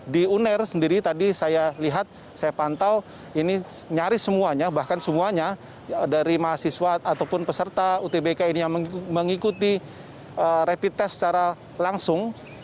di uner sendiri tadi saya lihat saya pantau ini nyaris semuanya bahkan semuanya dari mahasiswa ataupun peserta utbk ini yang mengikuti rapid test secara langsung